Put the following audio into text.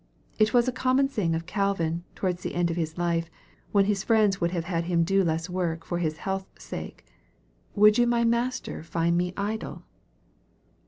It was a common saying of Calvin, towards tha end of his life, when his friends would have had him do less work^ for his health's sake, " Would you have my Master find me idle